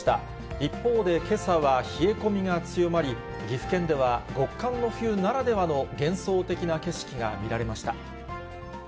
一方で、けさは冷え込みが強まり、岐阜県では極寒の冬ならではの幻想的な景色が見られました。